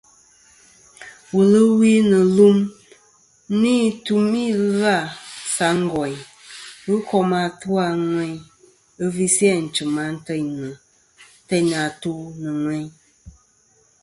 Wul ɨ wi nɨ̀ lum nɨn tumî ɨlvâ sa ngòyn ghɨ kom atu a ŋweyn ɨ visi ànchɨ̀m antêynɨ̀ àtu nɨ̀ ŋweyn.